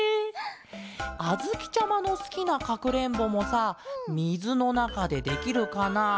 あづきちゃまのすきなかくれんぼもさみずのなかでできるかな？